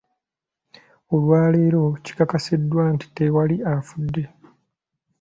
Olwaleero kikakasiddwa nti, tewali afudde.